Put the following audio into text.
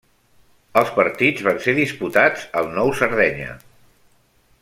Els partits van ser disputats al Nou Sardenya.